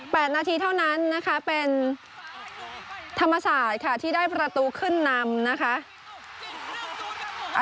นาทีเท่านั้นนะคะเป็นธรรมศาสตร์ค่ะที่ได้ประตูขึ้นนำนะคะ